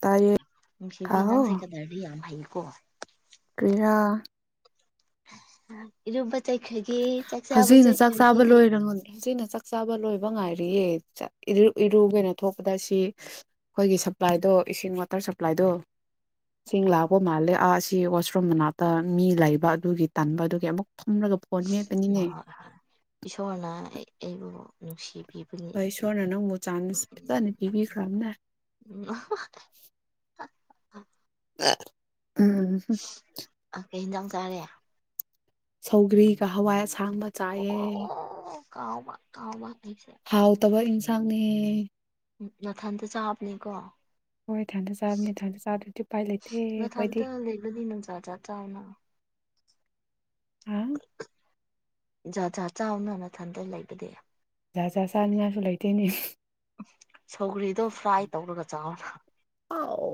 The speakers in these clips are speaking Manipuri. ꯇꯥꯏꯌꯦ ꯅꯨꯡꯁꯤꯕꯤ ꯅꯪꯁꯦ ꯍꯥꯎ ꯀꯗꯥꯏꯗꯤ ꯌꯥꯝ ꯍꯩꯌꯦꯀꯣ ꯀꯔꯤꯔꯥ ꯏꯔꯨꯕ ꯆꯠꯈꯔꯒꯦ ꯍꯧꯖꯤꯛꯅ ꯆꯥꯛ ꯆꯥꯕ ꯂꯣꯏꯔꯕꯅꯦ ꯍꯧꯖꯤꯛꯅꯥ ꯆꯥꯕ ꯂꯣꯏꯕ ꯉꯥꯏꯔꯤꯌꯦ ꯏꯔ ꯏꯔꯨꯒꯦꯅ ꯊꯣꯛꯄꯗ ꯁꯤ ꯑꯩꯈꯣꯏꯒꯤ ꯁꯄ꯭ꯂꯥꯏꯗꯣ ꯏꯁꯤꯡ ꯋꯥꯇꯔ ꯁꯄ꯭ꯂꯥꯏꯗꯣ ꯁꯤꯡ ꯂꯥꯛꯄ ꯃꯥꯜꯂꯦ ꯑꯥ ꯑꯁꯤ ꯋꯥꯁ ꯔꯨꯝ ꯃꯅꯥꯛꯇ ꯃꯤ ꯂꯩꯕ ꯑꯗꯨꯒꯤ ꯇꯟꯕ ꯑꯗꯨꯒꯤ ꯑꯃꯨꯛ ꯐꯝꯂꯒ ꯐꯣꯟ ꯃꯦꯠꯄꯅꯤꯅꯦ ꯏꯁꯣꯔꯅ ꯑꯩꯕꯨ ꯅꯨꯡꯁꯤꯕꯤꯕꯅꯤ ꯍꯣꯏ ꯏꯁꯣꯔꯅ ꯅꯪꯕꯨ ꯎ ꯆꯥꯟꯁ ꯐꯖꯅ ꯄꯤꯕꯤꯈ꯭ꯔꯕꯅꯦ ꯎ ꯎ ꯎꯝ ꯑ ꯀꯩ ꯌꯦꯟꯖꯥꯡ ꯆꯥꯔꯦ ꯁꯧꯒ꯭ꯔꯤꯒ ꯍꯋꯥꯏ ꯑꯁꯥꯡꯕ ꯆꯥꯏꯑ ꯀꯥꯎꯕ ꯀꯥꯎꯕ ꯑꯩꯁꯦ ꯍꯥꯎꯇꯕ ꯏꯟꯁꯥꯡꯅꯦ ꯎ ꯅꯊꯟꯇ ꯆꯥꯕꯅꯦꯀꯣ ꯍꯣꯏ ꯢꯊꯟꯗ ꯆꯥꯕꯅꯦ ꯏꯊꯟꯊꯗ ꯆꯥꯗꯗꯤ ꯎꯄꯥꯏ ꯂꯩꯇꯦ ꯑꯩꯈꯣꯏꯗꯤ [unintelligible] ꯆꯥꯎꯅ ꯍꯥ ꯖꯥ ꯥ ꯆꯥꯎꯅ ꯅꯊꯟꯗ ꯂꯩꯕꯗꯤ ꯖꯥꯠ ꯖꯥꯠ ꯆꯥꯅꯤꯡꯉꯥꯏꯁꯨ ꯂꯩꯇꯦꯅꯦ ꯁꯧꯒ꯭ꯔꯤꯗꯣ ꯐ꯭ꯔꯥꯏ ꯇꯧꯔꯒ ꯆꯥꯎ ꯑꯥꯎ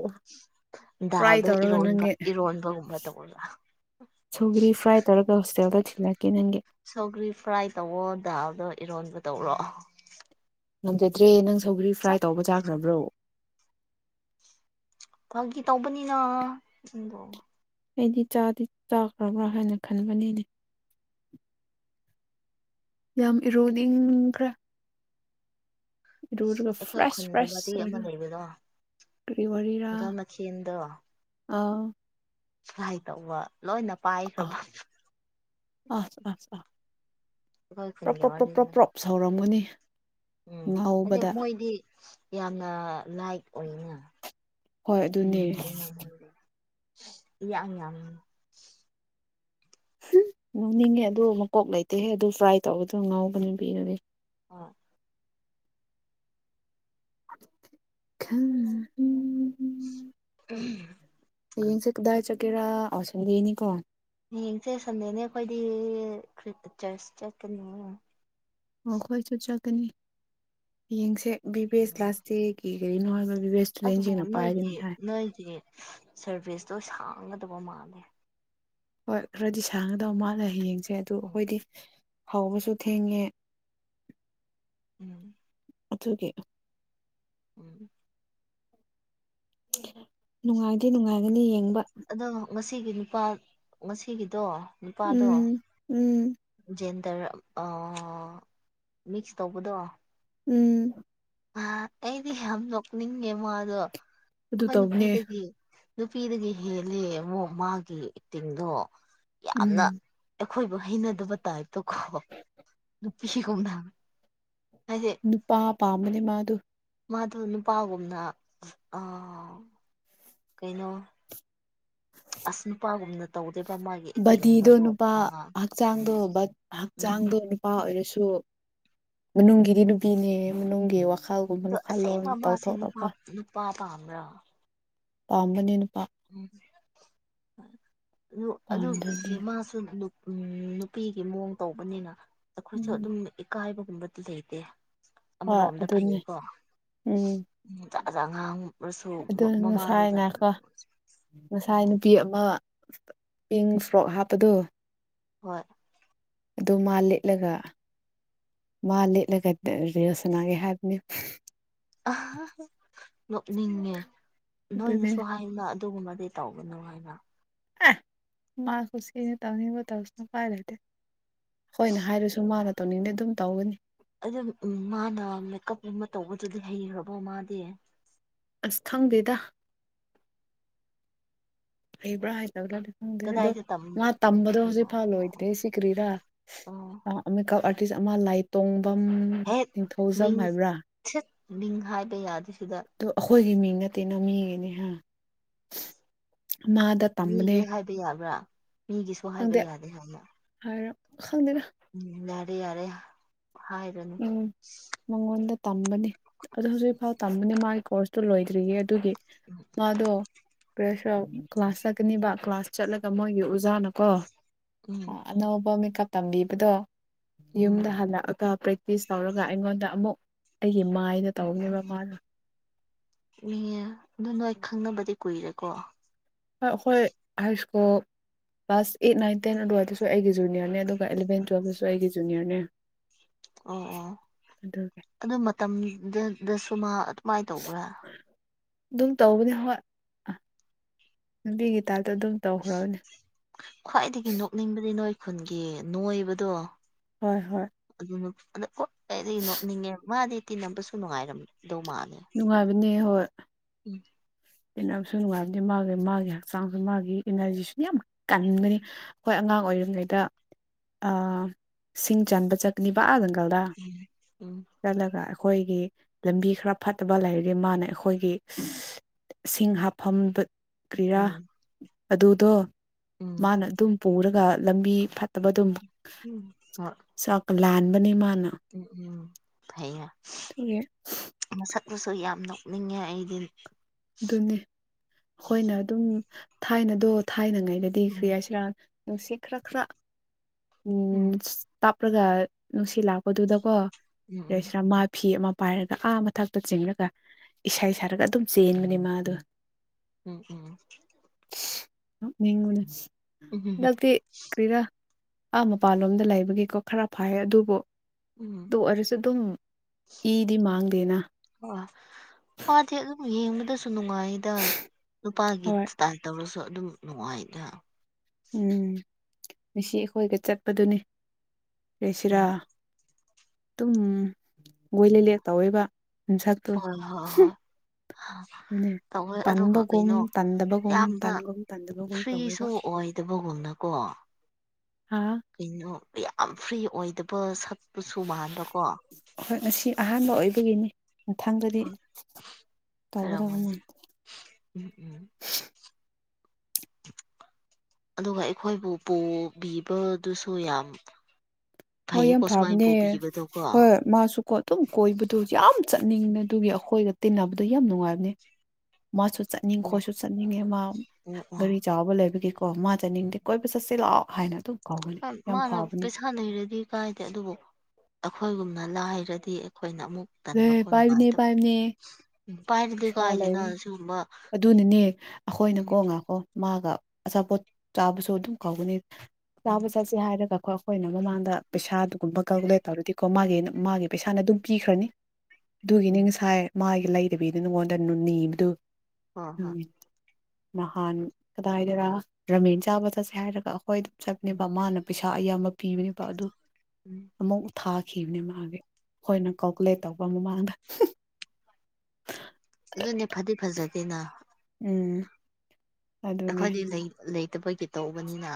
ꯐ꯭ꯔꯥꯏ ꯗꯥꯜꯗꯣ ꯇꯧꯔꯒ ꯏꯔꯣꯟꯕ ꯅꯪꯒꯤ ꯏꯔꯣꯟꯕꯒꯨꯝꯕ ꯇꯧꯔꯒ ꯁꯣꯒꯔꯤ ꯐ꯭ꯔꯥꯏ ꯇꯧꯔꯒ ꯍꯣꯁꯇꯦꯜꯗ ꯊꯤꯜꯂꯛꯀꯦ ꯅꯪꯒꯤ ꯁꯧꯒ꯭ꯔꯤ ꯐ꯭ꯔꯥꯏ ꯇꯧꯑꯣ ꯗꯥꯜꯗꯣ ꯏꯔꯣꯟꯕ ꯇꯧꯔꯣ ꯉꯝꯖꯗ꯭ꯔꯦ ꯅꯪ ꯁꯧꯒ꯭ꯔꯤ ꯐ꯭ꯔꯥꯏ ꯆꯞ ꯇꯧꯕ ꯆꯥꯈ꯭ꯔꯕ꯭ꯔꯣ ꯐꯥꯒꯤ ꯇꯧꯕꯅꯤꯅ ꯑꯩꯗꯤ ꯆꯥꯗꯤ ꯆꯥꯈ꯭ꯔꯕ꯭ꯔꯥ ꯍꯥꯏꯅ ꯈꯟꯕꯅꯤꯅꯦ ꯌꯥꯝ ꯏꯔꯣꯗꯤꯡꯈ꯭ꯔꯦ ꯏꯔꯨꯔꯒꯥ ꯑꯩꯈꯣꯏ ꯐ꯭ꯔꯦꯁ ꯈꯨꯟꯒꯤ ꯋꯥꯔꯤ ꯐ꯭ꯔꯦꯁ ꯑꯃ ꯑꯣꯏꯔꯣ ꯂꯩꯕꯗꯣ ꯀꯔꯤ ꯋꯥꯔꯤꯔ ꯒꯝ ꯃꯊꯦꯜꯗꯣ ꯑꯥ ꯐꯔꯥꯏ ꯇꯧꯕ ꯂꯣꯏꯅ ꯄꯥꯏꯈ꯭ꯔꯕ ꯑ ꯑ ꯑꯩꯈꯣꯏ ꯈꯨꯟꯒꯤ ꯋꯥꯔꯤꯗꯣ ꯑ ꯁꯧꯔꯝꯒꯅꯤ ꯎꯝ ꯉꯥꯎꯕꯗ ꯑꯗꯗꯤ ꯃꯣꯏꯗꯤ ꯌꯥꯝꯅ ꯂꯥꯏꯠ ꯑꯣꯏꯅ ꯍꯣꯏ ꯑꯗꯨꯅꯦ [unintelligible] ꯉꯡꯅꯤꯡꯉꯦ ꯑꯗꯨ ꯃꯀꯣꯛ ꯂꯩꯇꯦꯍꯦ ꯑꯗꯨ ꯐ꯭ꯔꯥꯏ ꯇꯧꯕꯗ ꯉꯥꯎꯒꯅꯤ ꯄꯤꯔꯅꯦ ꯑ ꯍꯝ ꯎꯝ ꯍꯌꯦꯡꯁꯦ ꯀꯗꯥꯏ ꯆꯠꯀꯦꯔꯥ ꯑꯥꯎ ꯁꯟꯗꯅꯤꯀꯣ ꯍꯌꯦꯡꯁꯦ ꯁꯟꯗꯦꯅꯦ ꯑꯩꯈꯣꯏꯗꯤ ꯀꯔꯤ ꯆꯔꯁ ꯆꯠꯀꯅꯤ ꯑꯣ ꯑꯩꯈꯣꯏꯁꯨ ꯆꯠꯀꯅꯤ ꯌꯦꯡꯁꯦ ꯕꯤ ꯚꯦꯁ ꯀ꯭ꯂꯥꯁ ꯗꯦꯒꯤ ꯀꯔꯤꯅꯣ ꯍꯥꯏꯕ ꯕꯤ ꯚꯦꯁ ꯑꯗꯨꯕꯨ ꯅꯣꯏꯒꯤ ꯅꯣꯏꯒꯤ ꯁꯔꯚꯤꯁꯇꯣ ꯁꯥꯡꯒꯗꯕ ꯃꯥꯜꯂꯦ ꯍꯣꯏ ꯈꯔꯗꯤ ꯁꯥꯡꯒꯗꯕ ꯃꯥꯜꯂ ꯍꯌꯦꯡꯁꯦ ꯑꯗꯨ ꯎꯝ ꯑꯩꯈꯣꯏꯗꯤ ꯍꯧꯕꯁꯨ ꯊꯦꯡꯉꯦ ꯎꯝ ꯑꯗꯨꯒꯤ ꯎꯝ ꯅꯨꯡꯉꯥꯏꯗꯤ ꯅꯨꯡꯉꯥꯏꯒꯅꯤ ꯌꯦꯡꯕ ꯑꯗꯣ ꯉꯁꯤꯒꯤ ꯅꯨꯄꯥ ꯉꯁꯤꯒꯤꯗꯣ ꯅꯨꯄꯥꯗꯣ ꯎꯝ ꯎꯝ ꯖꯦꯟꯗꯔ ꯑ ꯃꯤꯛꯁ ꯇꯧꯕꯗꯣ ꯎꯝ ꯑ ꯑꯩꯗꯤ ꯌꯥꯝ ꯅꯣꯛꯅꯤꯡꯉꯦ ꯃꯥꯗꯣ ꯑꯗꯨ ꯑꯩꯈꯣꯏ ꯇꯧꯕꯅꯦ ꯅꯨꯄꯤꯗꯒꯤ ꯅꯨꯄꯤꯗꯒꯤ ꯍꯦꯜꯂꯦ ꯑꯃꯨꯛ ꯃꯥꯒꯤ ꯑꯦꯛꯇꯤꯡꯗꯣ ꯎꯝ ꯌꯥꯝꯅ ꯑꯩꯈꯣꯏꯕꯨ ꯍꯩꯅꯗꯕ ꯇꯥꯏꯕꯇꯀꯣ ꯅꯨꯄꯤꯒꯨꯝꯕ ꯍꯥꯏꯗꯤ ꯅꯨꯄꯥ ꯄꯥꯝꯕꯅꯦ ꯃꯥꯗꯨ ꯃꯥꯗꯨ ꯅꯨꯄꯥꯒꯨꯝꯅ ꯑ ꯀꯩꯅꯣ ꯑꯁ ꯅꯨꯄꯥꯒꯨꯝꯅ ꯇꯧꯗꯦꯗꯥ ꯃꯥꯒꯤ ꯕꯗꯤꯗꯣ ꯑꯦꯛꯇꯤꯡꯒꯨꯝꯕꯗꯣ ꯅꯨꯄꯥ ꯋꯥꯉꯥꯡ ꯍꯛꯆꯥꯡꯗꯣ ꯕꯠ ꯎꯝ ꯍꯛꯆꯥꯡꯗꯣ ꯅꯨꯄꯥ ꯑꯣꯏꯔꯁꯨ ꯃꯅꯨꯡꯒꯤꯗꯤ ꯅꯨꯄꯤꯅꯦ ꯃꯅꯨꯡꯒꯤ ꯋꯥ ꯑꯗꯣ ꯑꯁꯦꯡꯕꯥ ꯃꯥꯁꯦ ꯅꯨꯄꯥ ꯅꯨꯄꯥ ꯄꯥꯝꯕ꯭ꯔꯥ ꯄꯥꯝꯕꯅꯦ ꯅꯨꯄꯥ ꯎ ꯑꯗꯨ ꯄꯥꯝꯗ꯭ꯔꯗꯤ ꯃꯥꯁꯨ ꯑꯗꯨꯝ ꯎꯝ ꯅꯨꯄꯤꯒꯤ ꯃꯑꯣꯡ ꯇꯧꯕꯅꯤꯅ ꯑꯩꯈꯣꯏꯁꯨ ꯎꯝ ꯑꯗꯨꯝ ꯏꯀꯥꯏꯕꯒꯨꯝꯕꯗꯤ ꯂꯩꯇꯦ ꯍꯣꯏ ꯑꯃꯔꯣꯝꯗ ꯑꯗꯨꯅꯦ ꯐꯩꯌꯦꯀꯣ ꯎꯝ ꯖꯥꯠ ꯖꯥꯠ ꯉꯥꯡꯕꯥ ꯑꯗꯨ ꯉꯁꯥꯏ ꯉꯥꯏꯈꯣ ꯉꯁꯥꯏ ꯑꯣ ꯅꯨꯄꯤ ꯑꯃ ꯄꯤꯡ ꯐ꯭ꯔꯣꯛ ꯍꯥꯞꯄꯗꯣ ꯍꯣꯏ ꯑꯗꯨ ꯃꯥ ꯂꯤꯠꯂꯒ ꯃꯥ ꯂꯤꯠꯂꯒ ꯔꯤꯜ꯭ꯁ ꯁꯥꯅꯩ ꯍꯥꯏꯕꯅꯤ ꯑꯍꯥ ꯍꯥ ꯅꯣꯛꯅꯤꯡꯉꯦ ꯑꯗꯨꯅꯦ ꯅꯣꯏꯅꯁꯨ ꯍꯥꯏ ꯑꯩꯅ ꯑꯗꯨꯒꯨꯝꯕꯗꯤ ꯇꯧꯒꯅꯨ ꯍꯥꯏꯅ ꯃꯥ ꯀꯨꯁꯤꯅꯤ ꯇꯅꯤꯡꯕ ꯇꯧꯁꯅꯣ ꯎꯄꯥꯏ ꯂꯩꯇꯦ ꯑꯩꯈꫭꯏꯅ ꯍꯥꯏꯔꯁꯨ ꯃꯥꯅ ꯇꯧꯅꯤꯡꯉꯗꯤ ꯑꯗꯨꯝ ꯇꯧꯒꯅꯤ ꯑꯗꯨꯝ ꯃꯥꯅ ꯃꯦꯀꯞꯀꯨꯝꯕ ꯇꯧꯕꯗꯨꯗꯤ ꯍꯩꯈ꯭ꯔꯕꯣ ꯃꯥꯗꯤ ꯑꯁ ꯈꯪꯗꯦꯗ ꯍꯩꯕ꯭ꯔꯥ ꯍꯩꯕ꯭ꯔꯥ ꯑꯗꯨꯗꯣ ꯀꯗꯥꯏꯗ ꯇꯝ ꯃꯥ ꯇꯝꯕꯗꯣ ꯍꯧꯖꯤꯛ ꯐꯥꯎ ꯑꯣ ꯂꯣꯏꯗ꯭ꯔꯦ ꯁꯤ ꯀꯔꯤꯔꯥ ꯑ ꯃꯦꯀꯞ ꯑꯥꯔꯇꯤꯁ ꯑꯃ ꯂꯥꯏ ꯇꯣꯡꯐꯝ ꯍꯦꯛ ꯃꯤꯡ ꯁꯤꯠ ꯃꯤꯡ ꯍꯥꯏꯕ ꯌꯥꯗꯦ ꯁꯤꯗ ꯑꯣ ꯑꯩꯈꯣꯏꯒꯤ ꯃꯤꯡ ꯅꯠꯇꯦꯅ ꯃꯤꯒꯤꯅꯦ ꯍꯥ ꯃꯥꯗ ꯇꯝꯕꯅꯦ ꯃꯤꯒꯤꯗꯤ ꯍꯥꯏꯕ ꯌꯥꯕ꯭ꯔꯥ ꯃꯤꯒꯤꯁꯨ ꯍꯥꯏꯕ ꯌꯥꯗꯦ ꯍꯥꯏꯅ ꯍꯥꯏꯔꯞ ꯈꯪꯗꯦꯗꯥ ꯎꯝ ꯌꯥꯔꯦ ꯌꯥꯔꯦ ꯍꯥꯏꯔꯅꯨ ꯎꯝ ꯃꯉꯣꯟꯗ ꯇꯝꯕꯅꯤ ꯑꯗꯨ ꯍꯧꯖꯤꯛ ꯐꯥꯎ ꯇꯝꯕꯅꯤ ꯃꯥꯒꯤ ꯀꯣꯔ꯭ꯁꯇꯨ ꯂꯣꯏꯗ꯭ꯔꯤꯌꯦ ꯑꯗꯨꯒꯤ ꯃꯥꯗꫭ ꯄ꯭ꯔꯦꯁ ꯀ꯭ꯂꯥꯁ ꯆꯠꯀꯅꯤꯕ ꯀ꯭ꯂꯥꯁ ꯆꯠꯂꯒ ꯃꯣꯏꯒꯤ ꯑꯣꯖꯥꯅꯀꯣ ꯎꯝ ꯑꯅꯧꯕ ꯃꯦꯀꯞ ꯇꯝꯕꯤꯕꯗꯣ ꯎꯝ ꯌꯨꯝꯗ ꯍꯜꯂꯛꯑꯒ ꯄꯔꯦꯛ ꯄꯦꯛꯇꯤꯁ ꯇꯧꯔꯒ ꯑꯩꯉꯣꯟꯗ ꯑꯃꯨꯛ ꯑꯩꯒꯤ ꯃꯥꯏꯅ ꯇꯧꯕꯅꯦꯕ ꯃꯥꯅ ꯏ ꯑꯗꯨ ꯅꯣꯏ ꯈꯪꯅꯕꯗꯤ ꯀꯨꯏꯔꯦꯀꯣ ꯑꯈꯣꯏ high school class eight nine ten ꯑꯗꯨꯋꯥꯏꯗꯁꯨ ꯑꯩꯒꯤ ꯖꯨꯅꯤꯌꯔꯅꯦ ꯑꯗꯨꯒ ꯑꯦꯂꯕꯦꯟ ꯇꯨꯌꯦꯜꯞꯇꯁꯨ ꯑꯩꯒꯤ ꯖꯨꯅꯤꯌꯔꯅꯦ ꯑꯣ ꯑꯣ ꯑꯗꯨꯒꯤ ꯑꯗꯨ ꯃꯇꯝꯗꯨꯗ ꯁꯨꯃ ꯑꯗꯨꯃꯥꯏꯅ ꯇꯧꯕ꯭ꯔꯥ ꯑꯗꯨꯝ ꯇꯧꯕꯅꯦ ꯍꯣꯏ ꯅꯨꯄꯤꯒꯤ ꯇꯥꯏꯞꯇ ꯑꯗꯨꯝ ꯇꯧꯈ꯭ꯔꯕꯅꯦ ꯈ꯭ꯋꯥꯏꯗꯒꯤ ꯅꯣꯛꯅꯤꯡꯕꯗꯤ ꯅꯣꯏ ꯈꯨꯟꯒꯤ ꯅꯣꯏꯕꯗꯣ ꯍꯣꯏ ꯍꯣꯏ ꯑꯗꯨ ꯑꯗ ꯍꯣꯏ ꯑꯩꯗꯤ ꯅꯣꯛꯅꯤꯡꯉꯦ ꯃꯥꯗꯤ ꯇꯤꯟꯅꯕꯁꯨ ꯅꯨꯡꯉꯥꯏꯔꯝꯃꯗꯧ ꯃꯥꯜꯂꯤ ꯅꯨꯡꯉꯥꯏꯕꯅꯦ ꯍꯣꯏ [inaudible] ꯇꯤꯟꯅꯕꯁꯨ ꯅꯨꯡꯉꯥꯏꯕꯗꯤ ꯃꯥꯒꯤ ꯃꯥꯒꯤ ꯍꯛꯆꯥꯡꯁꯨ ꯃꯥꯒꯤ ꯏꯅꯔꯖꯤꯁꯨꯅ ꯌꯥꯝ ꯀꯟꯒꯅꯤ ꯑꯈꯣꯏ ꯑꯉꯥꯡ ꯑꯣꯏꯔꯤꯉꯩꯗ ꯑꯥ ꯁꯤꯡ ꯆꯟꯕ ꯆꯠ [unintelligible] ꯖꯪꯒꯜꯗ ꯎꯝ ꯆꯠꯂꯒ ꯑꯩꯈꯣꯏꯒꯤ ꯂꯝꯕꯤ ꯈꯔ ꯐꯠꯇꯕ ꯂꯩꯔꯗꯤ ꯃꯥꯅ ꯑꯩꯈꯣꯏꯒꯤ ꯁꯤꯡ ꯍꯥꯞꯐꯝ ꯀ꯭ꯔꯤꯔꯥ ꯎꯝ ꯑꯗꯨꯗꯣ ꯎꯝ ꯃꯥꯅ ꯑꯗꯨꯝ ꯄꯨꯔꯒ ꯂꯝꯕꯤ ꯐꯠꯇꯕ ꯑꯗꯨꯝ ꯎꯝ ꯍꯣꯢ ꯆꯥꯛꯀ ꯂꯥꯟꯕꯅꯦ ꯃꯥꯅ ꯎꯝ ꯎꯝ ꯐꯩꯌꯦ ꯑꯗꯨꯒꯤ ꯃꯁꯛꯄꯨꯁꯨ ꯌꯥꯝ ꯅꯣꯛꯅꯤꯡꯉꯦ ꯑꯩꯗꯤ ꯑꯗꯨꯅꯦ ꯑꯈꯣꯏꯅ ꯑꯗꯨꯝ ꯊꯥꯏꯅꯗꯣ ꯊꯥꯏꯅꯉꯩꯗꯗꯤ ꯎꯝ ꯀꯔꯤ ꯍꯥꯏꯁꯤꯔꯥ ꯅꯨꯡꯁꯤ ꯈꯔꯥ ꯈꯔꯥ ꯎꯝ ꯇꯞꯂꯒ ꯅꯨꯡꯁꯤꯠ ꯂꯥꯛꯄꯗꯨꯗꯀꯣ ꯎꯝ ꯔꯁꯔꯥ ꯃꯥ ꯐꯤ ꯑꯃ ꯄꯥꯏꯔꯒ ꯑꯥ ꯃꯊꯛꯇ ꯆꯤꯡꯉꯒ ꯏꯁꯩ ꯁꯥꯔꯒ ꯑꯗꯨꯝ ꯆꯦꯟꯕꯅꯦ ꯃꯥꯗꯣ ꯎꯝ ꯎꯝ ꯅꯣꯛꯅꯤꯡꯕꯅ ꯁꯤ ꯎꯝ ꯎꯝ ꯍꯟꯗꯛꯇꯤ ꯀꯔꯤꯔ ꯑꯥ ꯃꯄꯥꯟꯂꯣꯝꯗ ꯂꯩꯕꯒꯤꯀꯣ ꯈꯔ ꯐꯥꯏ ꯑꯗꯨꯕꯨ ꯎꯝ ꯑꯗꯨ ꯑꯣꯏꯔꯁꯨ ꯑꯗꯨꯝ ꯏꯗꯤ ꯃꯥꯡꯗꯦꯅ ꯑꯣ ꯃꯥꯗꯤ ꯑꯗꯨꯝ ꯌꯦꯡꯕꯗꯁꯨ ꯅꯨꯡꯉꯥꯏꯗ ꯅꯨꯄꯥꯒꯤ ꯍꯣꯏ ꯏꯁꯇꯥꯏꯜ ꯇꯧꯔꯁꯨ ꯑꯗꯨꯝ ꯅꯨꯡꯉꯥꯏꯗ ꯎꯝ ꯉꯁꯤ ꯑꯩꯈꯣꯏꯒ ꯆꯠꯄꯗꯨꯅꯤ ꯔꯦꯁꯤꯔꯥ ꯎꯝ ꯑꯗꯨꯝ [unintelligible] ꯇꯧꯋꯦꯕ ꯃꯁꯛꯇꯣ ꯍꯣꯏ ꯍꯣꯏ ꯍꯣꯏ ꯑꯗꯨꯅꯦ ꯇꯧꯋꯦ ꯑꯗꯨꯒ ꯇꯟꯕꯒꯨꯝ ꯀꯩꯅꯣ ꯇꯟꯗꯕꯒꯨꯝ ꯌꯥꯝꯅ ꯇꯟꯒꯨꯝ ꯇꯟꯗꯕꯒꯨꯝ ꯐ꯭ꯔꯤꯁꯨ ꯇꯧꯋꯦꯕ ꯑꯣꯏ ꯑꯣꯏꯗꯕꯒꯨꯝꯅꯀꯣ ꯍꯥꯥ ꯀꯩꯅꯣ ꯌꯥꯝ ꯐ꯭ꯔꯤ ꯑꯣꯏꯗꯕ ꯁꯛꯄꯁꯨ ꯃꯥꯟꯕꯀꯣ ꯍꯣꯏ ꯉꯁꯤ ꯑꯍꯥꯟꯕ ꯑꯣꯏꯕꯒꯤꯅꯤ ꯃꯊꯪꯗꯗꯤ ꯍꯣꯏ ꯇꯧꯒꯗꯕ ꯑꯣꯏꯔꯝꯒꯅꯤ ꯃꯥꯟꯗꯦ ꯎꯝ ꯎꯝ ꯑꯗꯨꯒ ꯑꯩꯈꯣꯏꯕꯨ ꯄꯨꯕꯤꯕꯗꯨꯁꯨ ꯌꯥꯝ ꯍꯣꯏ ꯌꯥꯝ ꯐꯩꯌꯦꯀꯣ ꯁꯨꯃꯥꯏꯅ ꯐꯕꯅꯦ ꯄꯨꯕꯤꯕꯗꯣꯀꯣ ꯑꯣ ꯍꯣꯏ ꯃꯥꯁꯨ ꯀꯣ ꯑꯗꯨꯝ ꯀꯣꯏꯕꯗꯨ ꯌꯥꯝ ꯆꯠꯅꯤꯡꯃꯦ ꯑꯗꯨꯒꯤ ꯑꯩꯈꯣꯏꯒ ꯇꯤꯟꯅꯕꯗꯨ ꯌꯥꯝ ꯅꯨꯡꯉꯥꯏꯕꯅꯦ ꯃꯥꯁꯨ ꯆꯠꯅꯤꯡꯉꯦ ꯑꯣ ꯈꯣꯏꯁꯨ ꯆꯠꯅꯤꯡꯉꯦ ꯃꯥ ꯒꯥꯔꯤ ꯑꯣ ꯆꯥꯎꯕ ꯂꯩꯕꯒꯤꯀꯣ ꯃꯥ ꯎꯝ ꯆꯠꯅꯤꯡꯗꯦ ꯀꯣꯏ ꯆꯠꯁꯤ ꯂꯥꯛꯑꯣ ꯍꯥꯏꯅ ꯑꯗꯨꯝ ꯀꯥꯎꯒꯅꯤ ꯌꯥꯝ ꯐꯕꯅꯦ ꯍ ꯂꯩꯩꯔꯗꯤ ꯀꯥꯏꯗꯦ ꯑꯗꯨꯕꯨ ꯑꯩꯈꯣꯏꯒꯨꯝꯅ ꯂꯥꯏꯔꯗꯤ ꯑꯩꯈꯣꯏꯅ ꯑꯃꯨꯛ ꯂꯦ ꯇꯟꯕꯀꯣ ꯄꯥꯏꯕꯅꯤ ꯅꯨꯡꯉꯥꯏꯇꯕ ꯄꯥꯏꯕꯅꯤ ꯎꯝ ꯄꯥꯏꯔꯗꯤꯀꯣ ꯄꯩꯁꯥ ꯍꯥꯏꯁꯤꯅ ꯂꯩꯕꯅꯤ ꯁꯤꯒꯨꯝꯕ ꯑꯗꯨꯅꯅꯦ ꯑꯩꯈꯣꯏꯅ ꯎꯝ ꯀꯣ ꯉꯥꯏꯀꯣ ꯃꯥꯒ ꯑꯆꯥꯄꯣꯠ ꯆꯥꯕꯁꯨ ꯑꯗꯨꯝ ꯀꯧꯒꯅꯤ ꯎꯝ ꯆꯥꯕ ꯆꯠꯁꯦ ꯍꯥꯏꯔꯒꯀꯣ ꯑꯩꯈꯣꯏꯅ ꯃꯃꯥꯡꯗ ꯄꯩꯁꯥ ꯑꯗꯨꯒꯨꯝꯕ ꯀꯥꯜꯀꯨꯂꯦꯠ ꯇꯧꯔꯗꯤꯀꯣ ꯃꯥꯒꯤ ꯃꯥꯒꯤ ꯄꯩꯁꯥꯅ ꯑꯗꯨꯝ ꯄꯤꯈ꯭ꯔꯅꯤ ꯎꯝ ꯑꯗꯨꯒꯤꯅꯤ ꯎꯝ ꯉꯁꯥꯏ ꯃꯥꯒꯤ ꯂꯩꯗꯕꯤꯗ ꯅꯉꯣꯟꯗꯅꯤꯕꯗꯨ ꯍꯣꯏ ꯍꯣꯏ ꯎꯝ ꯅꯍꯥꯟ ꯀꯗꯥꯏꯗꯔ ꯔꯥꯃꯦꯟ ꯆꯥꯕ ꯆꯠꯁꯦ ꯍꯥꯏꯔꯒ ꯑꯩꯈꯣꯏ ꯑꯗꯨꯝ ꯎꯝ ꯆꯠꯄꯅꯦꯕ ꯃꯥꯅ ꯄꯩꯁꯥ ꯑꯌꯥꯝꯕ ꯄꯤꯕꯅꯦꯕ ꯑꯗꯨ ꯎꯝ ꯑꯃꯨꯛ ꯊꯥꯈꯤꯕꯅꯦ ꯃꯥꯒꯤ ꯑꯩꯈꯣꯏꯅ ꯀꯥꯜꯀꯨꯂꯦꯠ ꯇꯧꯕ ꯃꯃꯥꯡꯗ ꯍ ꯑꯗꯨꯅꯦ ꯐꯗꯤ ꯐꯖꯗꯦꯅ ꯎꯝ ꯑꯩꯈꯣꯏꯗꯤ ꯂꯩꯇꯕꯒꯤ ꯇꯧꯕꯅꯤꯅ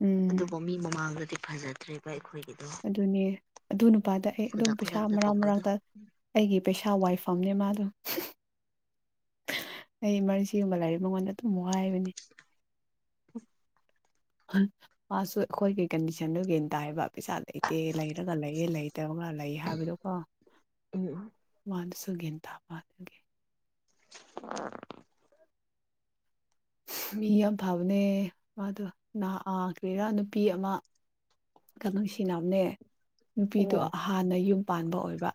ꯎꯝ ꯑꯗꯨꯕꯨ ꯃꯤ ꯃꯃꯥꯡꯗꯗꯤ ꯐꯖꯗ꯭ꯔꯦꯕ ꯑꯩꯈꯣꯏꯒꯤ ꯑꯗꯨꯅꯦ ꯑꯗꯨ ꯅꯨꯄꯥꯗ ꯑꯩ ꯑꯗꯨꯝ ꯈꯨꯗꯛ ꯄꯩꯁꯥ ꯈꯨꯗꯛꯇ ꯃꯔꯛ ꯇꯧꯕꯗꯣ ꯃꯔꯛꯇ ꯑꯩꯒꯤ ꯄꯩꯁꯥ ꯋꯥꯏꯐꯝꯅꯦ ꯃꯥꯗꯣ ꯑꯩ ꯏꯃꯔꯁꯤꯒꯨꯝꯕ ꯂꯥꯏꯔ ꯃꯉꯣꯟꯗ ꯑꯗꯨꯝ ꯋꯥꯏꯕꯅꯦ ꯎꯝ ꯃꯥꯁꯨ ꯑꯩꯈꯣꯏꯒꯤ ꯀꯟꯗꯤꯁꯟꯗꯨ ꯒꯌ꯭ꯥꯟ ꯇꯥꯌꯦꯕ ꯄꯩꯁꯥ ꯂꯩꯇꯦ ꯂꯩꯔꯒ ꯂꯩꯌꯦ ꯂꯩꯇꯕꯒ ꯂꯩ ꯍꯥꯏꯕꯗꯣꯀꯣ ꯎꯝ ꯃꯥꯗꯨꯁꯨ ꯒꯌꯥꯟ ꯇꯥꯕ ꯑꯗꯨꯒꯤ [unintelligible] ꯃꯤ ꯌꯥꯝ ꯐꯕꯅꯦ ꯃꯥꯗꯣ ꯅꯥ ꯑꯥ ꯀ꯭ꯔꯤꯔꯥ ꯅꯨꯄꯤ ꯑꯃ ꯀꯟꯅ ꯅꯨꯡꯁꯤꯅꯕꯅꯦ ꯅꯨꯄꯤꯗꯣ ꯑꯣ ꯍꯥꯟꯅ ꯌꯨꯝ ꯄꯥꯟꯕ ꯑꯣꯏꯕ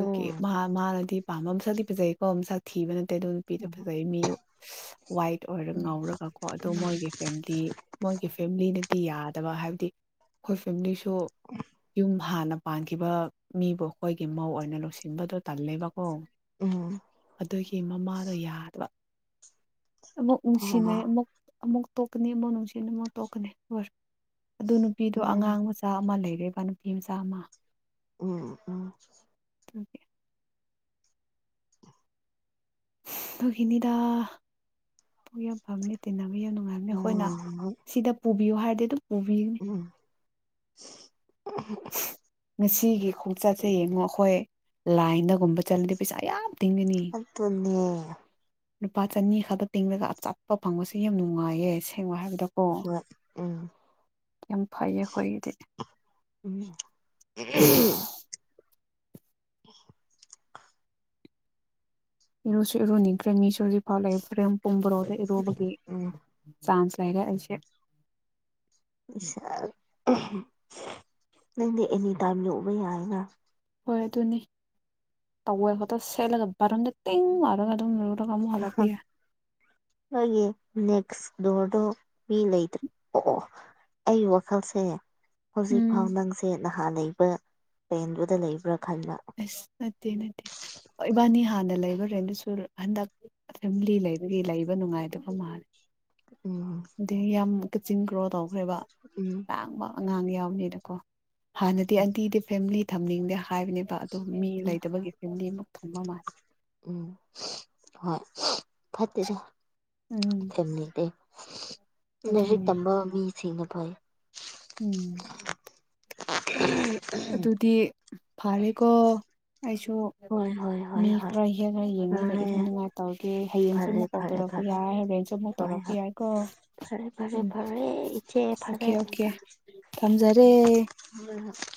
ꯑꯣ ꯃꯥ ꯃꯥꯅꯗꯤ ꯄꯥꯝꯕ ꯃꯁꯛꯇꯤ ꯐꯖꯩꯀꯣ ꯃꯁꯛ ꯊꯤꯕ ꯅꯠꯇꯦ ꯑꯗꯨ ꯅꯨꯄꯤꯗꯣ ꯎꯝ ꯐꯖꯩꯃꯤ ꯋꯥꯏꯠ ꯑꯣꯏꯔꯒ ꯉꯥꯎꯔꯒ ꯀꯣ ꯑꯗꯣ ꯎꯝ ꯃꯣꯏꯒꯤ ꯐꯦꯡ ꯗꯤ ꯃꯣꯏꯒꯤ ꯐꯦꯃꯤꯂꯤꯅꯗꯤ ꯌꯥꯗꯕ ꯍꯥꯏꯕꯗꯤ ꯑꯩꯈꯣꯏ ꯐꯦꯃꯤꯂꯤꯁꯨ ꯁꯨ ꯌꯨꯝ ꯍꯥꯟꯅ ꯄꯥꯟꯈꯤꯕ ꯃꯤꯕꯨ ꯑꯩꯈꯣꯏꯒꯤ ꯃꯧ ꯑꯣꯏꯅ ꯂꯧꯁꯤꯟꯕꯗꯣ ꯇꯜꯂꯦꯕꯥ ꯎꯝ ꯑꯗꯨꯒꯤ ꯃꯃꯥꯅ ꯌꯥꯗꯕ ꯑꯃꯨꯛ ꯅꯨꯡꯁꯤꯅꯩ ꯑꯃꯨꯛ ꯑꯃꯨꯛ ꯇꯣꯛꯀꯅꯤ ꯑꯃꯨꯛ ꯅꯨꯡꯁꯤꯅꯤ ꯑꯃꯨꯛ ꯇꯣꯛꯀꯅꯤ ꯂꯣꯏꯔꯦ ꯑꯗꯨ ꯅꯨꯄꯤꯗꯣ ꯎꯝ ꯑꯉꯥꯡ ꯃꯆꯥ ꯃꯆꯥ ꯑꯃ ꯂꯩꯔꯦꯕ ꯅꯨꯄꯤ ꯃꯆꯥ ꯑꯃ ꯎꯝ ꯎꯝ ꯑꯗꯨꯒꯤ ꯑꯗꯨꯒꯤꯅꯤꯗ ꯄꯨꯛ ꯌꯥꯝ ꯐꯥꯕꯅꯦ ꯇꯤꯟꯅꯕ ꯌꯥꯝ ꯅꯨꯡꯉꯥꯏꯕꯅꯦ ꯑꯩꯈꯣꯏꯅ ꯎꯝ ꯁꯤꯗ ꯄꯨꯕꯤꯌꯨ ꯍꯥꯏꯔꯗꯤ ꯑꯗꯨꯝ ꯄꯨꯕꯤꯕꯅꯤ ꯎꯝ ꯉꯁꯤꯒꯤ ꯈꯣꯡꯆꯠꯁꯦ ꯌꯦꯡꯉꯣ ꯑꯩꯈꯣꯏ ꯂꯥꯏꯟꯗꯒꯨꯝꯕ ꯆꯠꯂꯗꯤ ꯄꯩꯁꯥ ꯌꯥꯝ ꯇꯤꯡꯒꯅꯤ ꯑꯗꯨꯅꯦ ꯂꯨꯄꯥ ꯆꯅꯤ ꯈꯛꯇ ꯇꯤꯡꯂꯒ ꯑꯆꯥꯄꯣꯠ ꯐꯪꯕꯁꯦ ꯌꯥꯝ ꯅꯨꯡꯉꯥꯏꯌꯦ ꯁꯦꯡꯕ ꯍꯥꯏꯕꯗꯣ ꯑꯣ ꯍꯣꯏ ꯎꯝ ꯌꯥꯝ ꯐꯩꯌꯦ ꯑꯩꯈꯣꯏꯒꯤꯗꯤ [unintelligible] [unintelligible] ꯏꯔꯨꯁꯨ ꯏꯔꯨꯅꯤꯡꯈ꯭ꯔꯦ ꯃꯤꯁꯨ ꯍꯧꯖꯤꯛ ꯐꯥꯎ ꯂꯩ ꯐ꯭ꯔꯦꯝ ꯄꯨꯝꯕꯣꯔꯣꯗ ꯏꯔꯨꯕꯒꯤ ꯎꯝ ꯆꯥꯟꯁ ꯂꯩꯔꯦ ꯑꯩꯁꯦ ꯏꯁ ꯑꯥ ꯎꯝ ꯅꯪꯗꯤ ꯑꯦꯅꯤ ꯇꯥꯏꯝ ꯂꯧꯕ ꯌꯥꯏꯅ ꯍꯣꯏ ꯑꯗꯨꯅꯤ ꯇꯧꯋꯦꯜ ꯒꯗꯣ ꯁꯦꯠꯂꯒ ꯕꯥꯠꯔꯨꯝꯗ ꯇꯤꯡ ꯂꯥꯎꯔꯒ ꯑꯗꯨꯝ ꯂꯨ ꯑꯍꯥ ꯅꯣꯏꯒꯤ ꯅꯦꯛꯁ ꯗꯣꯔꯗꯣ ꯃꯤ ꯂꯩꯇ꯭ꯔꯣ ꯑꯩꯒꯤ ꯋꯥꯈꯜꯁꯦ ꯎꯝ ꯍꯧꯖꯤꯛꯐꯥꯎ ꯅꯪꯁꯦ ꯅꯍꯥꯟ ꯂꯩꯕ ꯄꯦꯟꯗꯨꯗ ꯂꯩꯕ꯭ꯔꯥ ꯈꯜꯂ ꯑꯁ ꯅꯠꯇꯦ ꯅꯠꯇꯦ ꯏꯕꯥꯅꯤ ꯍꯥꯟꯅ ꯂꯩꯕ ꯔꯦꯟꯠ ꯗꯨꯁꯨ ꯍꯟꯗꯛ ꯐꯦꯃꯤꯂꯤ ꯂꯩꯕꯒꯤ ꯂꯩꯕ ꯅꯨꯡꯉꯥꯏꯇꯕ ꯃꯥꯜ ꯎꯝ ꯗꯩ ꯌꯥꯝ ꯀꯛꯆꯤꯟ ꯀ꯭ꯔꯣ ꯇꯧꯈ꯭ꯔꯦꯕ ꯎꯝ ꯂꯥꯡꯕ ꯑꯉꯥꯡ ꯌꯥꯎꯕꯅꯤꯅꯀꯣ ꯍꯥꯟꯅꯗꯤ ꯑꯟꯇꯤꯗꯤ ꯐꯦꯃꯤꯂꯤ ꯊꯝꯅꯤꯡꯗꯦ ꯍꯥꯏꯕꯅꯦꯕ ꯑꯗꯨꯝ ꯃꯤ ꯎꯝ ꯂꯩꯇꯕꯒꯤ ꯌꯨꯝꯗꯤꯃꯨꯛ ꯊꯝꯕ ꯃꯥꯜ ꯎꯝ ꯍꯣꯏ ꯐꯠꯇꯦꯗ ꯎꯝ ꯐꯦꯃꯤꯂꯤꯗꯤ ꯂꯥꯏꯔꯤꯛ ꯑꯗꯨꯅꯤ ꯇꯝꯕ ꯃꯤ ꯊꯤꯅ ꯐꯩ ꯎꯝ [unintelligible] ꯑꯗꯨꯗꯤ ꯐꯥꯔꯦꯀꯣ ꯑꯩꯁꯨ ꯍꯣꯏ ꯍꯣꯏ ꯍꯣꯏ ꯃꯤ ꯍꯣꯏ ꯈꯔ ꯍꯦꯟꯅ ꯌꯦꯡꯉꯒ ꯐꯔꯦ ꯏꯔꯨꯅꯤꯡꯉꯥꯏ ꯇꯧꯒꯦ ꯍꯥꯌꯦꯡꯁꯨ ꯐꯔꯦ ꯑꯃꯨꯛ ꯀꯣꯜ ꯐꯔꯦ ꯇꯧꯔꯛꯄ ꯐꯔꯦ ꯌꯥꯏ ꯍꯣꯔꯦꯟꯁꯨ ꯑꯃꯨꯛ ꯍꯣꯏ ꯇꯧꯔꯛꯄ ꯍꯣꯏ ꯌꯥꯏꯀꯣ ꯐꯔꯦ ꯐꯔꯦ ꯎꯝ ꯐꯔꯦ ꯏꯆꯦ ꯑꯣꯀꯦ ꯐꯔꯦ ꯑꯣꯀꯦ ꯍꯣꯏ ꯊꯝꯖꯔꯦ [unintelligible]